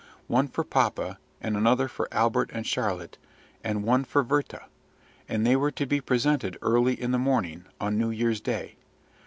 one for papa, and another for Albert and Charlotte, and one for Werther; and they were to be presented early in the morning, on New Year's Day.